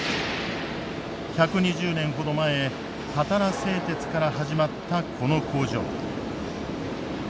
１２０年ほど前たたら製鉄から始まったこの工場。